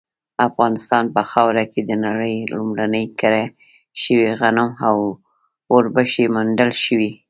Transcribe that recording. افغانستان په خاوره کې د نړۍ لومړني کره شوي غنم او وربشې موندل شوي